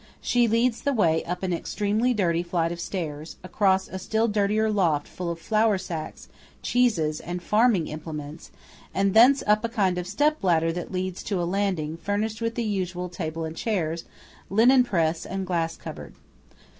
She leads the way up an extremely dirty flight of stairs; across a still dirtier loft full of flour sacks, cheeses, and farming implements; and thence up a kind of step ladder that leads to a landing furnished with the usual table and chairs, linen press and glass cupboard.